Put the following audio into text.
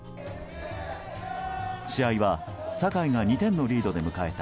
試合は、境が２点のリードで迎えた